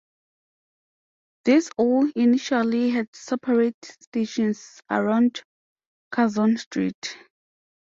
These all initially had separate stations around Curzon Street.